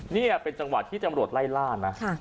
นี่เป็นจังหวะที่ตำรวจไล่ล่านะ